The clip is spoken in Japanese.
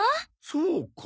そうか？